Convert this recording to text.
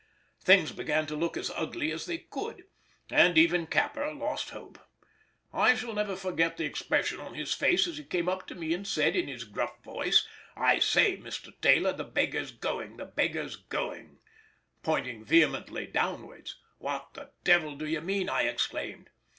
Things began to look as ugly as they could, and even Capper lost hope: I shall never forget the expression on his face as he came up to me and said, in his gruff voice, "I say, Mr. Taylor! the beggar's going, the beggar's going," pointing vehemently downwards. "What the devil do you mean!" I exclaimed.